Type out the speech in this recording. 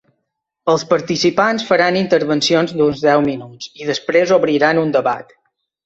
Els participants faran intervencions d’uns deu minuts i després obriran un debat.